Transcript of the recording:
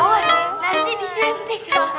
awas nanti disintik